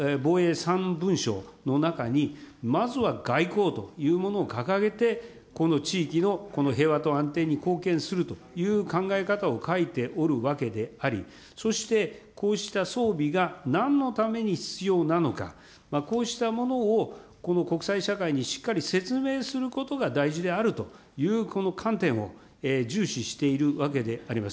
３文書の中に、まずは外交というものを掲げて、この地域のこの平和と安定に貢献するという考え方を書いておるわけであり、そしてこうした装備が、なんのために必要なのか、こうしたものをこの国際社会にしっかり説明することが大事であるというこの観点を重視しているわけであります。